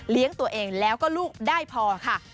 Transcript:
ตัวเองแล้วก็ลูกได้พอค่ะ